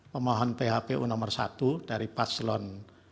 pemohon phpu nomor satu dari paslon dua